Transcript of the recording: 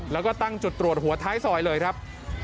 แล้วก็ตั้งจุดตรวจหัวท้ายซอยเลยครับ